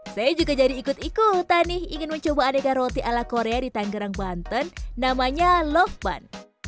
saya juga jadi ikut ikutan nih ingin mencoba aneka roti ala korea di tanggerang banten namanya love band